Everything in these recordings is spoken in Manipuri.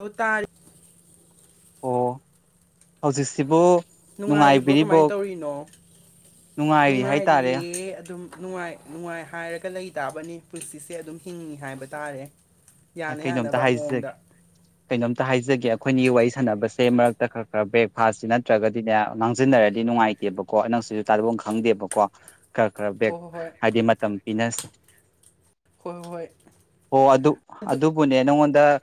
ꯍꯧ ꯇꯥꯔ [unintelligible] ꯑꯣ ꯍꯧꯖꯤꯛꯁꯤꯕꯨ ꯅꯨꯡꯉꯥꯏꯔꯤꯕ꯭ꯔꯣ ꯀꯃꯥꯏꯅ ꯅꯨꯡꯉꯥꯏꯕꯤꯔꯤꯕꯣ ꯇꯧꯔꯤꯅꯣ ꯅꯨꯡꯉꯥꯏꯔꯤ ꯍꯥꯏꯇꯥꯔꯦ ꯅꯨꯡꯉꯥꯏꯔꯤꯌꯦ ꯑꯗꯨꯝ ꯅꯨꯡꯉꯥꯏ ꯅꯨꯡꯉꯥꯏ ꯍꯥꯏꯔꯒ ꯂꯩ ꯇꯥꯕꯅꯤ ꯄꯨꯟꯁꯤꯁꯦ ꯑꯗꯨꯝ ꯍꯤꯡꯏ ꯍꯥꯏꯕ ꯇꯥꯔꯦ ꯌꯥꯅ ꯀꯩꯅꯣꯝꯇ ꯌꯥꯅꯕ ꯃꯑꯣꯡꯗ ꯍꯥꯏꯖꯒꯦ ꯀꯩꯅꯣꯝꯇ ꯍꯥꯏꯖꯒꯦ ꯑꯩꯈꯣꯏꯅꯤ ꯋꯥꯔꯤ ꯁꯥꯟꯅꯕꯁꯦ ꯃꯔꯛꯇ ꯈꯔ ꯈꯔ ꯕ꯭ꯔꯦꯛꯐꯥꯁꯁꯤ ꯅꯠꯇ꯭ꯔꯒ ꯑꯗꯨꯗ ꯃꯥꯡꯖꯤꯟꯅꯔꯗꯤ ꯅꯨꯡꯉꯥꯏꯇꯦꯕꯀꯣ ꯅꯪꯁꯨ ꯇꯥꯂꯨꯐꯝ ꯈꯪꯗꯦꯕꯀꯣ ꯈꯔ ꯈꯔ ꯕꯦꯛ ꯍꯣꯏ ꯍꯣꯏ ꯍꯥꯏꯗꯤ ꯃꯇꯝ ꯄꯤꯅꯁꯦ ꯍꯣꯏ ꯍꯣꯏ ꯑꯣ ꯑꯗꯨ ꯑꯗꯨ ꯑꯗꯨꯕꯨꯅꯦ ꯅꯪꯉꯣꯟꯗ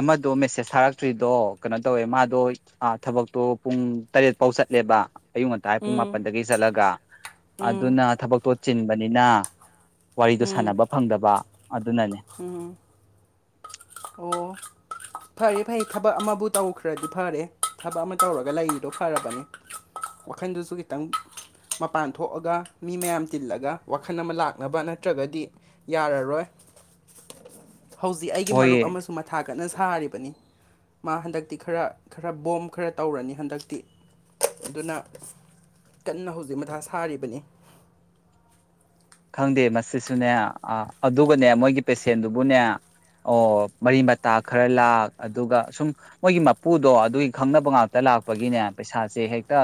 ꯑꯃꯗꯣ ꯃꯦꯁꯦꯁ ꯊꯥꯔꯛꯇ꯭ꯔꯤꯗꯣ ꯀꯩꯅꯣ ꯇꯧꯋꯦ ꯃꯥꯗꯣ ꯑ ꯊꯕꯛꯇꯣ ꯄꯨꯡ ꯇꯔꯦꯠ ꯐꯥꯎ ꯆꯠꯂꯦꯕ ꯑꯌꯨꯛ ꯉꯟꯥꯏ ꯄꯨꯡ ꯎꯝ ꯃꯥꯄꯟꯗꯒꯤ ꯆꯠꯂꯒ ꯎꯝ ꯑꯗꯨꯅ ꯊꯕꯛꯇꯣ ꯆꯤꯟꯕꯅꯤꯅ ꯋꯥꯔꯤꯗꯣ ꯎꯝ ꯁꯥꯟꯅꯕ ꯐꯪꯗꯕ ꯑꯗꯨꯅꯅꯤ ꯎꯝ ꯑꯣ ꯐꯔꯦ ꯐꯩ ꯊꯕꯛ ꯑꯃꯕꯨ ꯇꯧꯈ꯭ꯔꯗꯤ ꯐꯔꯦ ꯊꯕꯛ ꯑꯃ ꯇꯧꯔꯒ ꯂꯩꯔꯤꯗꯣ ꯐꯔꯕꯅꯦ ꯋꯥꯈꯟꯗꯨꯁꯨ ꯈꯤꯇꯪ ꯃꯄꯥꯟ ꯊꯣꯛꯑꯒ ꯃꯤ ꯃꯌꯥꯝ ꯇꯤꯜꯂꯒ ꯋꯥꯈꯜ ꯑꯃ ꯂꯥꯛꯅꯕ ꯅꯠꯇ꯭ꯔꯒꯗꯤ ꯌꯥꯔꯔꯣꯏ ꯍꯧꯖꯤꯛ ꯑꯩꯒꯤ ꯃꯔꯨꯞ ꯍꯣꯏꯌꯦ ꯑꯃꯁꯨ ꯃꯊꯥ ꯀꯠꯅ ꯁꯥꯔꯤꯕ ꯃꯥ ꯍꯟꯗꯛꯇꯤ ꯈꯔ ꯈꯔ ꯕꯣꯝ ꯈꯔ ꯇꯧꯔꯅꯤ ꯍꯟꯗꯛꯇꯤ ꯑꯗꯨꯅ ꯀꯟꯅ ꯍꯧꯖꯤꯛ ꯃꯊꯥ ꯁꯥꯔꯤꯕꯅꯤ ꯈꯪꯗꯦ ꯃꯁꯤꯁꯨꯅꯦ ꯑ ꯑꯗꯨꯒꯅꯦ ꯃꯣꯏꯒꯤ ꯄꯦꯁꯦꯟꯗꯨꯕꯨꯅꯦ ꯑꯣ ꯃꯔꯤ ꯃꯇꯥ ꯈꯔ ꯂꯥꯛ ꯑꯗꯨꯒ ꯁꯨꯝ ꯃꯣꯏꯒꯤ ꯃꯄꯨꯗꯣ ꯑꯗꯨꯒꯤ ꯈꯪꯅꯕ ꯉꯥꯛꯇ ꯂꯥꯛꯄꯒꯤꯅꯦ ꯄꯩꯁꯥꯁꯦ ꯍꯦꯛꯇ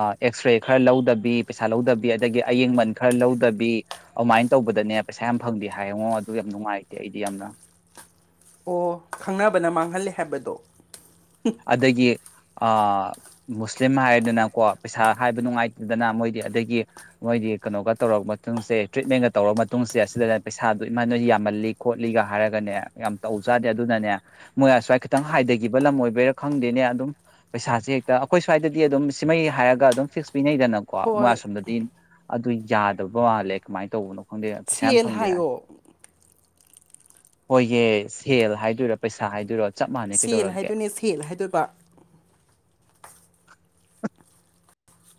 ꯑꯦꯛꯁꯔꯦ ꯈꯔ ꯂꯧꯗꯕꯤ ꯄꯩꯁꯥ ꯂꯧꯗꯕꯤ ꯑꯗꯒꯤ ꯑꯌꯦꯡꯃꯟ ꯈꯔ ꯂꯧꯗꯕꯤ ꯑꯗꯨꯃꯥꯏꯅ ꯇꯧꯕꯗꯅꯦ ꯄꯩꯁꯥ ꯌꯥꯝ ꯐꯪꯗꯦ ꯍꯥꯏ ꯌꯦꯡꯉꯣ ꯑꯗꯨ ꯌꯥꯝ ꯅꯨꯡꯉꯥꯏꯇꯦ ꯑꯩꯗꯤ ꯌꯥꯝꯅ ꯑꯣ ꯈꯪꯅꯕꯅ ꯃꯥꯡꯍꯜꯂꯦ ꯍꯥꯏꯕꯗꯣ ꯑꯗꯒꯤ ꯑ ꯃꯨꯁꯂꯤꯝ ꯍꯥꯏꯔꯗꯅꯀꯣ ꯄꯩꯁꯥ ꯍꯥꯏꯕ ꯅꯨꯡꯉꯥꯏꯇꯗꯅ ꯃꯣꯏꯗꯤ ꯑꯗꯒꯤ ꯃꯣꯏꯒꯤ ꯀꯩꯅꯣꯒ ꯇꯧꯔꯕ ꯃꯇꯨꯡꯁꯦ ꯇ꯭ꯔꯤꯠꯃꯦꯟꯒ ꯇꯧꯔ ꯃꯇꯨꯡꯁꯦ ꯑꯁꯤꯗ ꯄꯩꯁꯥꯗꯣ ꯏꯃꯥ ꯅꯣꯏꯗꯣ ꯌꯥꯝꯃꯜꯂꯤ ꯈꯣꯠꯂꯤꯒ ꯍꯥꯏꯔꯒꯅꯦ ꯌꯥꯝ ꯇꯧꯖꯥꯅꯦ ꯑꯗꯨꯅꯅꯦ ꯃꯣꯏ ꯑꯁ꯭ꯋꯥꯏ ꯈꯤꯇꯪ ꯍꯥꯏꯊꯈꯤꯕ ꯂꯝ ꯑꯣꯏꯕꯩꯔ ꯈꯪꯗꯦꯅꯦ ꯑꯗꯨꯝ ꯄꯩꯁꯥꯁꯦ ꯍꯦꯛꯇ ꯑꯩꯈꯣꯏ ꯁ꯭ꯋꯥꯏꯗꯗꯤ ꯑꯗꯨꯝ ꯁꯤꯃꯩ ꯍꯥꯏꯔꯒ ꯑꯗꯨꯝ ꯐꯤꯛꯁ ꯄꯤꯅꯩꯗꯅꯀꯣ ꯃꯣꯏ ꯍꯣꯏ ꯑꯁꯣꯝꯗꯗꯤ ꯑꯗꯨ ꯌꯥꯗꯕ ꯃꯥꯜꯂꯦ ꯀꯃꯥꯏꯅ ꯇꯧꯕꯅꯣ ꯁꯦꯜ ꯍꯥꯏꯌꯣ ꯍꯣꯏꯍꯦ ꯁꯦꯜ ꯍꯥꯏꯗꯣꯏꯔꯥ ꯄꯩꯁꯥ ꯍꯥꯏꯗꯣꯏꯔꯣ ꯆꯞ ꯃꯥꯟꯅꯩ ꯁꯦꯜ ꯀꯩꯗꯧꯔꯒꯦ ꯍꯥꯏꯗꯣꯏꯅꯦ ꯁꯦꯜ ꯍꯥꯏꯗꯣꯏꯕ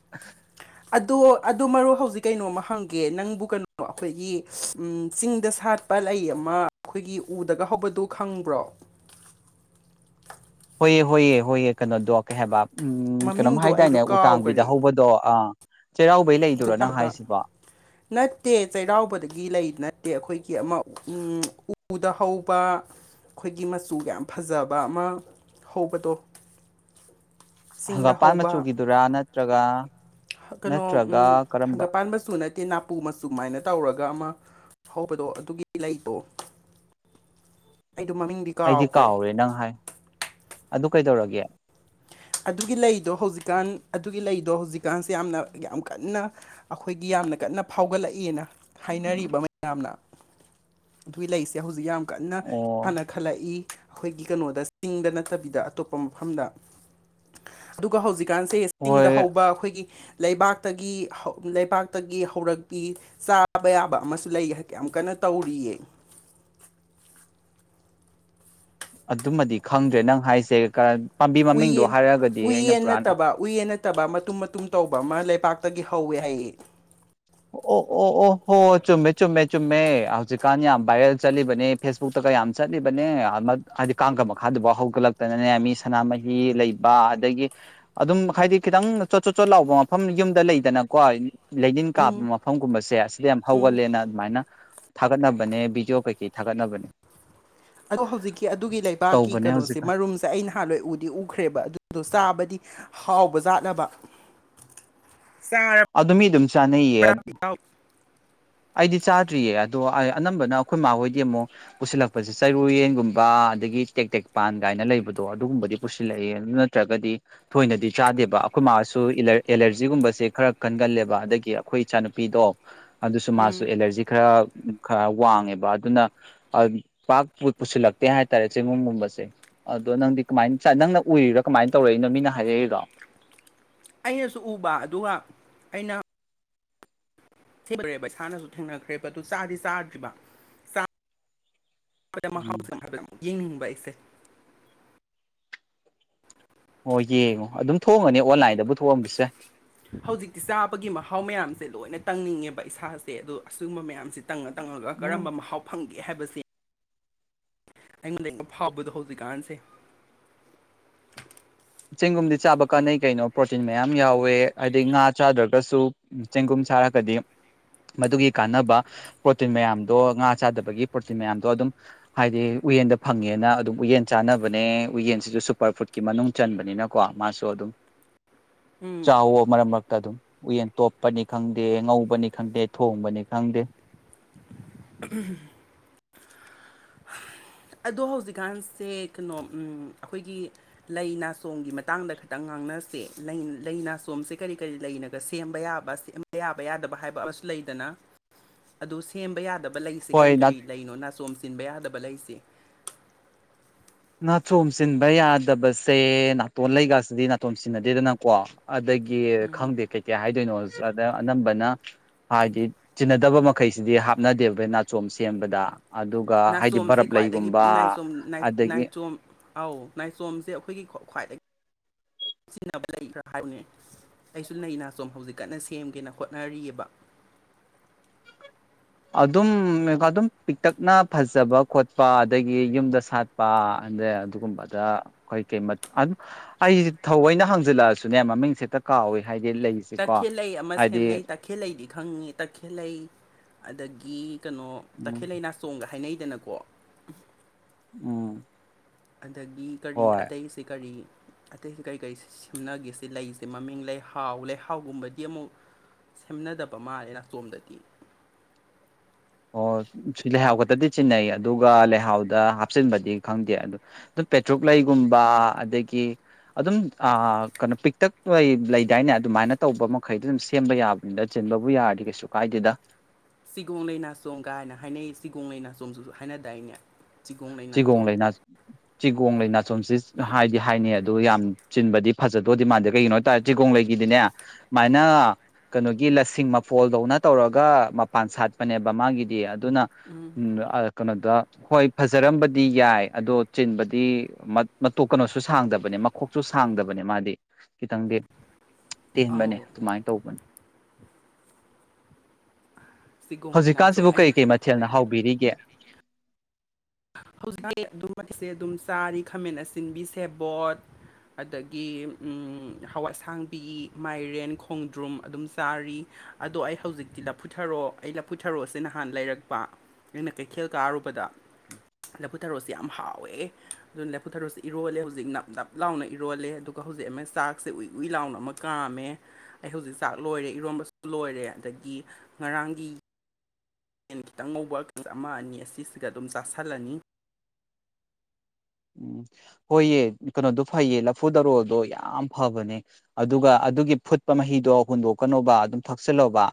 [unintelligible] ꯑꯗꯣ ꯑꯗꯣ ꯃꯔꯨ ꯍꯧꯖꯤꯛ ꯀꯩꯅꯣꯃ ꯍꯪꯒꯦ ꯅꯪꯕꯨ ꯀꯩꯅꯣ ꯑꯩꯈꯣꯏꯒꯤ ꯆꯤꯡꯗ ꯁꯥꯠ ꯄꯠꯂꯩ ꯑꯃ ꯑꯩꯈꯣꯏꯒꯤ ꯎꯗꯒ ꯍꯧꯕꯗꯨ ꯈꯪꯕ꯭ꯔꯣ ꯍꯣꯏꯑ ꯍꯣꯏꯑꯦ ꯍꯣꯏꯌꯦ ꯀꯩꯅꯣꯗꯣ ꯀꯩ ꯍꯥꯏꯕ ꯎꯝ ꯀꯩꯅꯣꯝ ꯃꯃꯤꯡꯗꯣ ꯑꯩꯗꯣ ꯍꯥꯏꯇꯥꯏꯅꯦ ꯎꯇꯥꯡꯕꯤꯗ ꯀꯥꯎꯈꯔꯦ ꯍꯧꯕꯗꯣ ꯑ ꯆꯩꯔꯥꯎꯕꯩ ꯑꯁꯨꯛ ꯂꯩꯗꯨꯣꯏꯔꯣ ꯅꯪ ꯌꯥꯝꯕ ꯍꯥꯏꯁꯤꯕꯨ [inaudible] ꯅꯠꯇꯦ ꯆꯩꯔꯥꯎꯕꯗꯒꯤ ꯂꯩ ꯅꯠꯇꯦ ꯑꯩꯈꯣꯏꯒꯤ ꯑꯃ ꯎꯗ ꯍꯧꯕ ꯑꯩꯈꯣꯏꯒꯤ ꯃꯆꯨꯒ ꯌꯥꯝ ꯐꯖꯕ ꯑꯃ ꯍꯧꯕꯗꯣ ꯆꯤꯡꯗ ꯍꯪꯒꯥꯄꯥꯟ ꯍꯧꯕ ꯃꯆꯨꯒꯤꯗꯨꯔꯥ ꯅꯠꯇ꯭ꯔꯒ ꯀꯩꯅꯣ ꯅꯠꯇ꯭ꯔꯒ ꯎꯝ ꯀꯔꯝꯕ ꯍꯪꯒꯠ ꯄꯥꯟ ꯃꯆꯨ ꯅꯠ ꯇꯥꯅꯄꯨ ꯃꯆꯨ ꯃꯥꯏꯅ ꯇꯧꯔꯒ ꯑꯃ ꯍꯧꯕꯗꯣ ꯑꯗꯨꯒꯤ ꯂꯩꯗꯣ ꯑꯩꯗꯣ ꯃꯃꯤꯡꯗꯤ ꯑꯩꯗꯤ ꯀꯥꯎꯈ꯭ꯔꯦ ꯀꯥꯎꯔꯦ ꯅꯪ ꯍꯥꯏ ꯑꯗꯨ ꯀꯩꯗꯧꯔꯒꯦ ꯑꯗꯨꯒꯤ ꯂꯩꯗꯣ ꯍꯧꯖꯤꯛꯀꯥꯟ ꯑꯗꯨꯒꯤ ꯂꯩꯗꯣ ꯍꯧꯖꯤꯛꯀꯥꯟꯁꯦ ꯌꯥꯝꯅ ꯌꯥꯝ ꯀꯟꯅ ꯑꯩꯈꯣꯏꯒꯤ ꯌꯥꯝꯅ ꯀꯟꯅ ꯐꯥꯎꯒꯠꯂꯛꯏꯅ ꯍꯥꯏꯅꯔꯤꯕ ꯃꯌꯥꯝꯅ ꯑꯗꯨꯒꯤ ꯂꯩꯁꯦ ꯍꯧꯖꯤꯛ ꯌꯥꯝ ꯀꯟꯅ ꯑꯣ ꯊꯥꯟꯅ ꯈꯜꯂꯛꯏ ꯑꯩꯈꯣꯏꯒꯤ ꯀꯩꯅꯣꯗ ꯆꯤꯡꯗ ꯅꯠꯇꯕꯤꯗ ꯑꯇꯣꯞꯄ ꯃꯐꯝꯗ ꯑꯗꯨꯒ ꯍꯧꯖꯤꯛꯀꯥꯟꯁꯦ ꯆꯤꯡꯗ ꯍꯣꯏ ꯍꯧꯕ ꯑꯩꯈꯣꯏꯒꯤ ꯂꯩꯕꯥꯛꯇꯒꯤ ꯍꯧ ꯂꯩꯕꯥꯛꯇꯒꯤ ꯍꯧꯔꯛꯄꯤ ꯆꯥꯕ ꯌꯥꯕ ꯑꯃꯁꯨ ꯂꯩ ꯍꯥꯏ ꯌꯥꯝ ꯀꯟꯅ ꯇꯧꯔꯤꯌꯦ ꯑꯗꯨꯃꯗꯤ ꯈꯪꯗ꯭ꯔꯦ ꯅꯪ ꯍꯥꯏꯁꯦ ꯄꯥꯝꯕꯤ ꯃꯃꯤꯡꯗꯣ ꯍꯥꯏꯔꯒꯗꯤ ꯑꯩꯅ ꯄꯨꯔꯥꯅ ꯎꯏꯌꯦꯟ ꯅꯠꯇꯕ ꯃꯇꯨꯝ ꯃꯇꯨꯝ ꯇꯧꯕ ꯑꯃ ꯂꯩꯄꯥꯛꯥꯛꯇꯒꯤ ꯍꯧꯋꯦ ꯍꯥꯏꯌꯦ ꯑꯣ ꯑꯣ ꯑꯣꯍꯣ ꯆꯨꯝꯃꯦ ꯆꯨꯝꯃꯦ ꯆꯨꯝꯃꯦ ꯍꯧꯖꯤꯛꯀꯥꯟ ꯌꯥꯝ ꯕꯥꯥꯏꯔꯦꯜ ꯆꯠꯂꯤꯕꯅꯦ ꯐꯦꯁꯕꯨꯛꯇ ꯀ ꯌꯥꯝ ꯆꯠꯂꯤꯕꯅꯦ ꯍꯥꯏꯗꯤ ꯀꯥꯡꯒ ꯃꯈꯥꯗꯨꯐꯥꯎ ꯍꯧꯒꯠꯂꯛꯇꯅꯅꯦ ꯃꯤ ꯁꯅꯥꯃꯍꯤ ꯂꯩꯕ ꯑꯗꯒꯤ ꯑꯗꯨꯝ ꯍꯥꯏꯗꯤ ꯈꯤꯇꯪ ꯆꯣꯠ ꯆꯣꯠ ꯆꯣꯠ ꯂꯥꯎꯕ ꯃꯐꯝ ꯌꯨꯝꯗ ꯂꯩꯗꯅꯀꯣ ꯂꯩꯅꯤꯟ ꯀꯥꯞꯄ ꯎꯝ ꯃꯐꯝꯒꯨꯝꯕꯁꯦ ꯑꯁꯤꯗ ꯌꯥꯝ ꯍꯧꯒꯟꯂꯦꯅ ꯑꯗꯨꯃꯥꯏꯅ ꯊꯥꯒꯠꯅꯕꯅꯦ ꯕꯤꯗꯤꯑꯣ ꯀꯩꯀꯩ ꯊꯥꯒꯠꯅꯕꯅꯦ ꯑꯗꯣ ꯍꯧꯖꯤꯛꯀꯤ ꯑꯗꯨꯒꯤ ꯂꯩꯕꯥꯛꯀꯤ ꯇꯧꯕꯅꯦ ꯀꯩꯅꯣꯁꯦ ꯍꯧꯖꯤꯛꯀꯥꯟ ꯃꯔꯨꯝ ꯑꯩ ꯅꯍꯥꯟꯋꯥꯏ ꯎꯗꯤ ꯎꯈ꯭ꯔꯦꯕ ꯑꯗꯨꯗꯣ ꯆꯥꯕꯗꯤ ꯍꯥꯎꯕꯖꯥꯠꯂꯕ ꯑꯗꯨ ꯃꯤ ꯑꯗꯨꯝ ꯆꯥꯅꯩꯌꯦ [unintelligible] ꯑꯩꯗꯤ ꯆꯥꯗ꯭ꯔꯤꯌꯦ ꯑꯗꯣ ꯑꯅꯝꯕꯅ ꯑꯩꯈꯣꯏ ꯃꯥꯍꯣꯏꯗꯤ ꯑꯃꯨꯛ ꯄꯨꯁꯤꯜꯂꯛꯄꯁꯦ ꯆꯔꯨꯌꯦꯟꯒꯨꯝꯕ ꯑꯗꯒꯤ ꯇꯦꯛ ꯇꯦꯛꯄꯥꯟ ꯒꯥꯏꯅ ꯂꯩꯕꯗꯣ ꯑꯗꯨꯒꯨꯝꯕꯗꯤ ꯄꯨꯁꯤꯜꯂꯛꯏꯑꯦ ꯑꯗꯨꯅ ꯅꯠꯇ꯭ꯔꯒꯗꯤ ꯊꯣꯏꯅꯗꯤ ꯆꯥꯗꯦꯕ ꯑꯩꯈꯣꯏ ꯃꯥꯁꯨ ꯑꯦꯂꯔꯖꯤꯒꯨꯝꯕꯁꯦ ꯈꯔ ꯀꯟꯒꯜꯂꯦꯕ ꯑꯗꯒꯤ ꯑꯩꯈꯣꯏ ꯏꯆꯥꯅꯨꯄꯤꯗꯣ ꯑꯗꯨꯁꯨ ꯃꯥꯁꯨ ꯎꯝ ꯑꯦꯂꯔꯖꯤ ꯈꯔ ꯈꯔ ꯋꯥꯡꯉꯦꯕ ꯑꯗꯨꯅ ꯄꯥꯛ ꯄꯨꯁꯤꯜꯂꯛꯇꯦ ꯍꯥꯏꯇꯥꯔꯦ ꯆꯦꯡꯒꯨꯝꯒꯨꯝꯕꯁꯦ ꯑꯗꯣ ꯅꯪꯗꯤ ꯀꯃꯥꯏ ꯆꯥꯏ ꯅꯪꯅ ꯎꯔꯤꯔꯥ ꯀꯃꯥꯏꯅ ꯇꯧꯔꯛꯏꯅꯣ ꯃꯤꯅ ꯍꯥꯏꯔꯛꯏꯔꯣ ꯑꯩꯅꯁꯨ ꯎꯕ ꯑꯗꯨꯒ ꯑꯩꯅ ꯊꯦꯡꯅ꯭ꯔꯦꯕ ꯏꯁꯥꯅꯁꯨ ꯊꯦꯡꯅꯈ꯭ꯔꯦꯕ ꯑꯗꯨ ꯆꯥꯗꯤ ꯆꯥꯗ꯭ꯔꯤꯕ ꯎꯝ ꯃꯍꯥꯎꯁꯨ ꯍꯥꯏꯐꯦꯠ ꯌꯦꯡꯅꯤꯡꯕ ꯑꯩꯁꯦ ꯑꯣ ꯌꯦꯡꯉꯣ ꯑꯗꯨꯝ ꯊꯣꯡꯑꯝꯒꯅꯤ ꯑꯣꯟꯂꯥꯏꯟꯗꯕꯨ ꯊꯣꯛꯑꯝꯕꯁꯨ ꯌꯥꯏ ꯍꯧꯖꯤꯛꯇꯤ ꯆꯥꯕꯒꯤ ꯃꯍꯥꯎ ꯃꯌꯥꯝꯁꯦ ꯂꯣꯏꯅ ꯇꯪꯅꯤꯡꯉꯦꯕ ꯏꯁꯥꯁꯦ ꯑꯗꯣ ꯑꯁꯤꯒꯨꯝꯕ ꯃꯌꯥꯝꯁꯦ ꯇꯪꯉ ꯇꯪꯉꯒ ꯎꯝ ꯀꯔꯝꯕ ꯃꯍꯥꯎ ꯐꯪꯒꯦ ꯍꯥꯏꯕꯁꯤ ꯑꯩꯉꯣꯟꯗ ꯐꯥꯎꯕꯗꯣ ꯍꯧꯖꯤꯛꯀꯥꯟꯁꯦ ꯆꯦꯡꯒꯨꯝꯗꯤ ꯆꯥꯕ ꯀꯥꯟꯅꯩ ꯀꯩꯅꯣ ꯄ꯭ꯔꯣꯇꯤꯟ ꯃꯌꯥꯝ ꯌꯥꯎꯋꯦ ꯉꯥ ꯆꯥꯗ꯭ꯔꯒꯁꯨ ꯆꯦꯡꯒꯨꯝ ꯁꯥꯔꯒꯗꯤ ꯃꯗꯨꯒꯤ ꯀꯥꯟꯅꯕ ꯄ꯭ꯔꯣꯇꯤꯟ ꯃꯌꯥꯝꯗꯣ ꯉꯥ ꯆꯥꯗꯕꯒꯤ ꯄ꯭ꯔꯣꯇꯤꯟ ꯃꯌꯥꯝꯗꯣ ꯑꯗꯨꯝ ꯍꯥꯏꯗꯤ ꯎꯌꯦꯟꯗ ꯐꯪꯉꯦꯅ ꯑꯗꯨꯝ ꯎꯌꯦꯟ ꯆꯥꯅꯕꯅꯦ ꯎꯌꯦꯟꯁꯤꯁꯨ ꯁꯨꯄꯔ ꯐꯨꯗꯀꯤ ꯃꯅꯨꯡ ꯆꯟꯕꯅꯤꯅꯀꯣ ꯃꯥꯁꯨ ꯑꯗꯨꯝ ꯆꯥꯎꯋꯣ ꯃꯔꯛ ꯃꯔꯛꯇ ꯑꯗꯨꯝ ꯎꯌꯦꯟ ꯇꯣꯞꯄꯅꯤ ꯈꯪꯗꯦ ꯉꯧꯕꯅꯤ ꯈꯪꯗꯦ ꯊꯣꯡꯕꯅꯤ ꯈꯪꯗꯦ ꯎꯝ ꯑꯗꯣ ꯍꯧꯖꯤꯛꯀꯥꯟꯁꯦ ꯀꯩꯅꯣ ꯑꯩꯈꯣꯏꯒꯤ ꯂꯩ ꯅꯥꯁꯣꯡꯝꯒꯤ ꯃꯇꯥꯡꯗ ꯈꯤꯇꯪ ꯉꯥꯡꯅꯁꯦ ꯂꯩ ꯅꯥꯁꯣꯝꯁꯦ ꯀꯔꯤ ꯀꯔꯤ ꯂꯩꯅꯒ ꯁꯦꯝꯕ ꯌꯥꯕ ꯑꯁꯦ ꯌꯥꯕ ꯌꯥꯗꯕ ꯍꯥꯏꯕ ꯑꯃꯁꯨ ꯂꯩꯗꯅ ꯑꯗꯨ ꯁꯦꯝꯕ ꯌꯥꯗꯕ ꯂꯩ ꯁꯤ ꯍꯣꯏ ꯀꯔꯤ ꯀꯔꯤ ꯂꯩꯅꯣ ꯅꯥꯆꯣꯝ ꯆꯤꯟꯕ ꯌꯥꯗꯕ ꯂꯩꯁꯦ ꯅꯥꯆꯣꯝ ꯆꯤꯟꯕ ꯌꯥꯗꯕꯁꯦ ꯅꯥꯇꯣꯟ ꯂꯩꯒꯁꯤꯗꯤ ꯅꯥꯆꯣꯝ ꯆꯤꯟꯅꯗꯦꯗꯅꯀꯣ ꯑꯗꯒꯤ ꯈꯪꯗꯦ ꯀꯩꯀꯩ ꯍꯥꯏꯗꯣꯏꯅꯣ ꯈꯪꯗꯦ ꯑꯅꯝꯕꯅ ꯍꯥꯏꯗꯤ ꯆꯤꯟꯅꯗꯕ ꯃꯈꯩꯁꯤꯗꯤ ꯍꯥꯞꯅꯗꯦꯕꯥ ꯅꯥꯆꯣꯝ ꯁꯦꯝꯕꯗ ꯑꯗꯨꯒ ꯍꯥꯏꯗꯤ ꯅꯥꯆꯣꯝꯁꯦ ꯈ꯭ꯋꯥꯏꯗꯒꯤ ꯕꯔꯞꯂꯩꯒꯨꯝꯕ ꯅꯥꯏꯆꯣꯝ ꯅꯥꯏ- ꯑꯗꯒꯤ ꯅꯥꯏꯆꯣꯝ ꯑꯧ ꯅꯥꯏꯆꯣꯝꯁꯦ ꯑꯩꯈꯣꯏꯒꯤ ꯈ꯭ꯋꯥꯏꯗꯒꯤ ꯁꯤꯖꯤꯟꯅꯕ ꯂꯩ ꯈꯔꯥ ꯍꯥꯏꯌꯨꯅꯦ ꯑꯩꯁꯨ ꯂꯩ ꯅꯥꯆꯣꯝ ꯍꯧꯖꯤꯛ ꯀꯟꯅ ꯁꯦꯝꯒꯦꯅ ꯍꯣꯠꯅꯔꯤꯑꯦꯕ ꯑꯗꯨꯝ ꯑꯗꯨꯝ ꯄꯤꯛꯇꯛꯅ ꯐꯖꯕ ꯈꯣꯠꯄ ꯑꯗꯒꯤ ꯌꯨꯝꯗ ꯁꯥ ꯄꯥ ꯑꯗꯩ ꯑꯗꯨꯒꯨꯝꯕꯗ [unintelligible] ꯑꯩꯁꯦ ꯊꯑꯣꯏꯅ ꯍꯥꯡꯖꯤꯟꯂꯛꯑꯁꯨꯅꯦ ꯃꯃꯤꯡꯁꯦꯍꯦꯛꯇ ꯀꯥꯎꯏ ꯍꯥꯏꯗꯤ ꯂꯩꯁꯦ ꯇꯥꯛꯈꯦꯜꯂꯩ ꯑꯃ ꯁꯦꯝꯅꯩ ꯇꯈꯦꯜꯂꯩꯗꯤ ꯈꯪꯉꯤ ꯇꯈꯦꯜꯂꯩ ꯑꯗꯒꯤ ꯀꯩꯅꯣ ꯎꯝ ꯇꯈꯦꯜꯂꯩ ꯅꯥ ꯆꯣꯡꯒ ꯍꯥꯏꯅꯩꯗꯅꯀꯣ ꯎꯝ ꯑꯗꯒꯤ ꯀꯔꯤ ꯍꯣꯏ ꯑꯇꯩꯁ ꯀꯔꯤ ꯑꯇꯩ ꯀꯔꯤꯀꯔꯤ ꯁꯦꯝꯅꯒꯦꯁꯤ ꯂꯩꯁꯦ ꯃꯃꯤꯡ ꯂꯩꯍꯥꯎ ꯂꯩꯍꯥꯎꯒꯨꯝꯕꯗꯤ ꯑꯃꯨꯛ ꯁꯦꯝꯅꯗꯕ ꯃꯥꯜꯂꯦ ꯅꯥꯇꯣꯝꯗꯗꯤ ꯑꯣ ꯁꯤ ꯂꯩꯍꯥꯎ ꯈꯛꯇꯗꯤ ꯆꯤꯟꯅꯩ ꯑꯗꯨꯒ ꯂꯩꯍꯥꯎꯗ ꯍꯥꯞꯆꯤꯟꯕꯗꯤ ꯈꯪꯗꯦ ꯑꯗꯨ ꯑꯗꯨꯝ ꯄꯦꯇ꯭ꯔꯨꯛꯂꯩꯒꯨꯝꯕ ꯑꯗꯒꯤ ꯑꯗꯨꯝ ꯀꯩꯅꯣ ꯄꯤꯛꯇꯛ ꯂꯩꯗꯥꯏꯅꯦ ꯑꯗꯨꯃꯥꯏꯅ ꯇꯧꯕ ꯃꯈꯩꯗꯤ ꯑꯗꯨꯝ ꯁꯦꯝꯕ ꯌꯥꯕ ꯗ ꯆꯤꯟꯕꯕꯨ ꯌꯥꯔꯗꯤ ꯀꯩꯁꯨ ꯀꯥꯏꯗꯦꯗ ꯆꯤꯒꯣꯡ ꯂꯩ ꯅꯥꯆꯣꯝ ꯀꯥꯏꯅ ꯍꯥꯏꯅꯩ ꯆꯤꯒꯣꯡ ꯂꯩ ꯅꯥ ꯆꯣꯝꯖꯨ ꯍꯥꯏꯅꯗꯥꯏꯅꯦ ꯆꯤꯒꯣꯡ ꯂꯩ ꯅꯥꯆꯣꯝ ꯆꯤꯒꯣꯡꯂꯩ ꯅꯥ [inaudible] ꯆꯤꯒꯣꯡ ꯂꯩ ꯅꯥꯆꯣꯝꯁꯤ ꯍꯥꯏꯗꯤ ꯍꯥꯏꯅꯩ ꯑꯗꯨ ꯌꯥꯝ ꯆꯤꯟꯕꯗꯤ ꯐꯖꯗꯧꯗꯤ ꯃꯥꯟꯗꯦ ꯀꯩꯒꯤꯅꯣꯗꯤ ꯆꯤꯒꯣꯡ ꯂꯩꯒꯤꯗꯤꯅꯦ ꯑꯗꯨꯨꯃꯥꯏꯅ ꯀꯩꯅꯣꯒꯤ ꯂꯁꯤꯡ ꯃꯐꯣꯜꯗꯧꯅ ꯇꯧꯔꯒ ꯃꯄꯥꯟ ꯁꯥꯠꯄꯅꯦꯕ ꯃꯥꯒꯤꯗꯤ ꯑꯗꯨꯅ ꯎꯝ ꯑ ꯀꯩꯅꯣꯗ ꯍꯣꯏ ꯐꯖꯔꯝꯕꯗꯤ ꯌꯥꯏ ꯑꯗꯣ ꯆꯤꯟꯕꯗꯤ ꯃꯇꯣꯛ ꯀꯩꯅꯣꯁꯨ ꯁꯥꯡꯗꯕꯅꯦ ꯀꯣꯛꯁꯨ ꯁꯥꯡꯗꯕꯅꯦ ꯃꯥꯗꯤ ꯈꯤꯇꯪꯗꯤ ꯇꯦꯟꯕꯅꯦ ꯑꯧ ꯑꯗꯨꯃꯥꯏ ꯇꯧꯕꯅꯦ [inaudible] ꯆꯤꯒꯣꯡꯂꯩ ꯅꯥꯆꯣꯝ ꯑꯩ ꯊꯦꯜꯅ ꯍꯥꯎꯕꯤꯔꯤꯒꯦ ꯍꯧꯖꯤꯛ [unintelligible] ꯑꯩ ꯑꯗꯨꯝ ꯆꯥꯔꯤ ꯈꯥꯃꯦꯟ ꯑꯁꯤꯟꯕꯤ ꯁꯦꯕꯣꯠ ꯑꯗꯒꯤ ꯍꯋꯥꯏ ꯑꯁꯥꯡꯕꯤ ꯃꯥꯏꯔꯦꯟ ꯈꯣꯡꯗ꯭ꯔꯨꯝ ꯑꯗꯨꯝ ꯆꯥꯔꯤ ꯑꯗꯣ ꯑꯩ ꯍꯧꯖꯤꯛꯇꯤ ꯂꯞꯐꯨꯊ꯭ꯔꯣ ꯑꯩ ꯂꯞꯐꯨꯊ꯭ꯔꯣ ꯁꯦ ꯅꯍꯥꯟ ꯂꯩꯔꯛꯄ ꯑꯩꯅ ꯀꯩꯊꯦꯜ ꯀꯥꯔꯨꯕꯗ ꯂꯐꯨ ꯊꯔꯣꯁꯦ ꯌꯥꯝ ꯍꯥꯎꯋꯦ ꯑꯗꯨꯅ ꯂꯐꯨ ꯊꯔꯣꯁꯦ ꯏꯔꯣꯜꯂꯦ ꯍꯧꯖꯤꯛ ꯅꯞ ꯅꯞ ꯂꯥꯎꯅ ꯏꯔꯣꯜꯂꯦ ꯑꯗꯨꯒ ꯍꯧꯖꯤꯛ ꯑꯃ ꯆꯥꯛꯁꯦ ꯎꯏ ꯎꯏ ꯂꯥꯎꯅ ꯑꯃ ꯀꯥꯝꯃꯦ ꯑꯩ ꯍꯧꯖꯤꯛ ꯆꯥꯛ ꯂꯣꯏꯔꯦ ꯏꯔꯣꯝꯕꯁꯨ ꯂꯣꯏꯔꯦ ꯑꯗꯒꯤ ꯉꯔꯥꯡꯒꯤ ꯌꯦꯟ ꯈꯤꯇꯪ ꯉꯧꯕ ꯑꯃ ꯑꯅꯤ ꯑꯁꯤꯁꯤꯒ ꯑꯗꯨꯝ ꯆꯥꯥꯁꯜꯂꯅꯤ [unintelligible] ꯍꯣꯏꯌꯦ ꯀꯩꯅꯣꯗꯣ ꯐꯩꯌꯦ ꯂꯐꯨ ꯊꯔꯣꯗꯣ ꯌꯥꯝ ꯐꯕꯅꯦ ꯑꯗꯨꯒ ꯑꯗꯨꯒꯤ ꯐꯨꯠꯄ ꯃꯍꯤꯗꯣ ꯍꯨꯟꯗꯣꯛꯀꯅꯣꯕ ꯑꯗꯨꯝ ꯊꯛꯆꯤꯜꯂꯣꯕ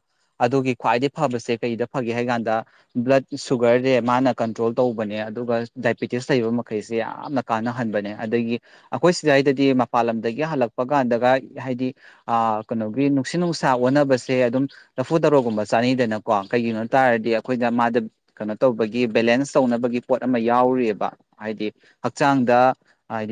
ꯑꯗꯨꯒꯤ ꯈ꯭ꯋꯥꯏꯗꯩ ꯐꯕꯁꯦ ꯀꯩꯗ ꯐꯒꯦ ꯍꯥꯏ ꯀꯥꯟꯗ ꯕ꯭ꯂꯗ ꯀꯤ ꯁꯨꯒꯔꯁꯦ ꯃꯥꯅ ꯀꯟꯇ꯭ꯔꯣꯜ ꯇꯧꯕꯅꯦ ꯑꯗꯨꯒ ꯗꯥꯏꯕꯤꯦꯇꯤꯁ ꯂꯩꯕ ꯃꯈꯩꯁꯦ ꯁꯦ ꯌꯥꯝꯅ ꯀꯥꯟꯅꯍꯟꯕꯅꯦ ꯑꯗꯒꯤ ꯑꯩꯈꯣꯏ ꯁꯥꯏꯗꯗꯤ ꯃꯄꯥꯟ ꯂꯝꯗꯒꯤ ꯍꯜꯂꯛꯄ ꯀꯥꯟꯗꯒ ꯍꯥꯏꯗꯤ ꯑ ꯀꯩꯅꯣꯒꯤ ꯅꯨꯡꯁꯤꯠ ꯅꯨꯡꯁꯥ ꯑꯣꯟꯅꯕꯁꯦ ꯑꯗꯨꯝ ꯂꯐꯨ ꯊꯔꯣꯒꯨꯝꯕ ꯆꯥꯅꯩꯗꯅꯀꯣ ꯀꯩꯒꯤꯅꯣ ꯇꯥꯔꯗꯤ ꯑꯩꯈꯣꯏꯗ ꯃꯥꯁꯦ ꯀꯩꯅꯣ ꯇꯧꯕꯒꯤ ꯕꯦꯂꯦꯟꯁ ꯇꯧꯅꯕꯒꯤ ꯄꯣꯠ ꯑꯃ ꯌꯥꯎꯔꯤꯑꯕ ꯍꯥꯏꯗꯤ ꯍꯛꯆꯥꯡꯗ ꯍꯥꯏꯗꯤ